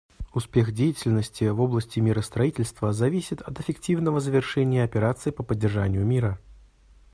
Успех деятельности в области миростроительства зависит от эффективного завершения операций по поддержанию мира.